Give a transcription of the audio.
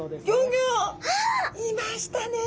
いましたね！